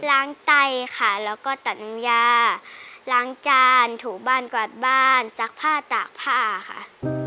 ไต้ค่ะแล้วก็ตัดน้ำยาล้างจานถูบ้านกวาดบ้านซักผ้าตากผ้าค่ะ